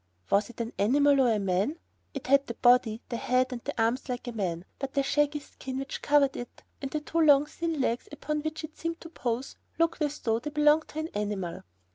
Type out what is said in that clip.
Was it an animal or a man? It had the body, the head, and arms like a man, but the shaggy skin which covered it, and the two long thin legs upon which it seemed to poise, looked as though they belonged to an animal.